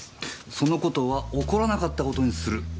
その事は起こらなかった事にするって事ですか？